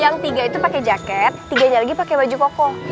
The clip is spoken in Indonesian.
yang tiga itu pake jaket tiganya lagi pake baju koko